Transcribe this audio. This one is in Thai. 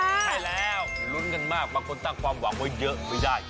ใช่แล้วลุ้นกันมากบางคนตั้งความหวังไว้เยอะไม่ได้